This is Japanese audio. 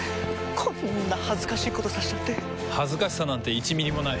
こんな恥ずかしいことさせちゃって恥ずかしさなんて１ミリもない。